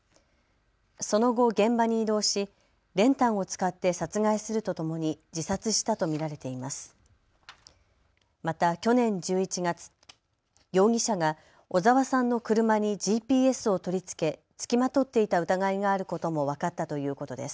その後、現場に移動し練炭を使って殺害するとともに自殺したと見られています。